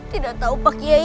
tidak tahu pak kiai